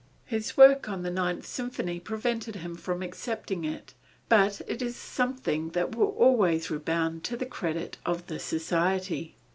His work on the Ninth Symphony prevented him from accepting it, but it is something that will always redound to the credit of the society.